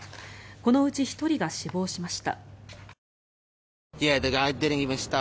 このうち１人が死亡しました。